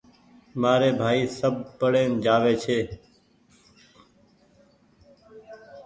مآري ڀآئي سب پڙين جآوي ڇي